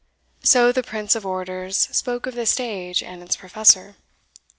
So the Prince of Orators spoke of the stage and its professor."